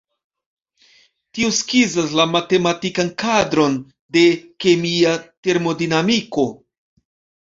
Tio skizas la matematikan kadron de kemia termodinamiko.